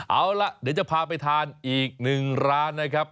เอาล่ะเดี๋ยวจะพาไปทานอีกหนึ่งร้านนะครับ